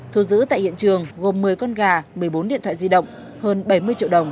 thu giữ tại hiện trường gồm một mươi con gà một mươi bốn điện thoại di động hơn bảy mươi triệu đồng